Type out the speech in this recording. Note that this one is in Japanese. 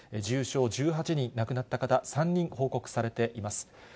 重症１８人、亡くなった方３人、報告されています。